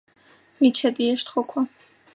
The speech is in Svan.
მიჩა დიეშდ ხოქვა: